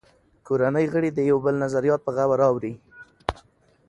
کورنۍ غړي د یو بل نظریات په غور اوري